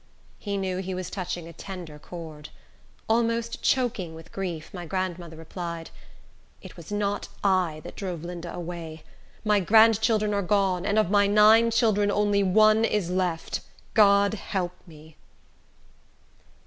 He knew he was touching a tender chord. Almost choking with grief, my grandmother replied, "It was not I that drove Linda away. My grandchildren are gone; and of my nine children only one is left. God help me!"